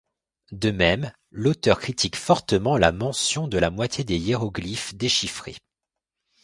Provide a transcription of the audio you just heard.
De même, l’auteur critique fortement la mention de la moitié de hiéroglyphes déchiffrés.